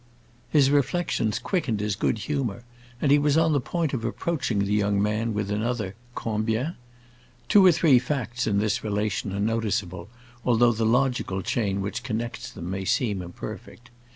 His reflections quickened his good humor, and he was on the point of approaching the young man with another "Combien?" Two or three facts in this relation are noticeable, although the logical chain which connects them may seem imperfect.